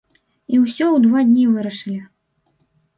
І ўсё ў два дні вырашылі!